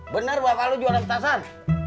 bener bapak lo jualan petasan